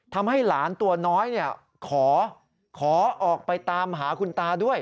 ทำให้หลานตัวน้อยขอออกไปตามหาคุณตาด้วย